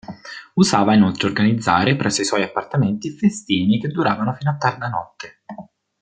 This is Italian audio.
Usava inoltre organizzare presso i suoi appartamenti festini che duravano fino a tarda notte.